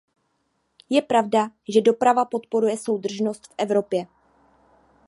Je pravda, že doprava podporuje soudržnost v Evropě.